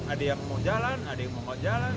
ada yang mau jalan ada yang mau jalan